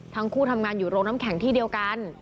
ทั้งคู่ทำงานอยู่โรงน้ำแข็งที่เดียวกัน